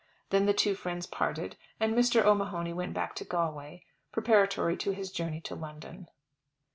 Then the two friends parted, and Mr. O'Mahony went back to Galway, preparatory to his journey to London.